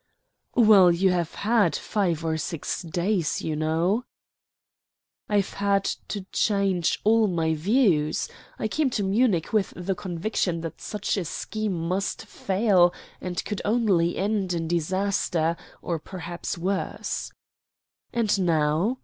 "Well, you have had five or six days, you know." "I've had to change all my views. I came to Munich with the conviction that such a scheme must fail, and could only end in disaster or, perhaps, worse." "And now?"